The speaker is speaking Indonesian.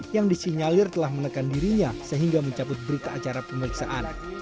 yang disinyalir telah menekan dirinya sehingga mencabut berita acara pemeriksaan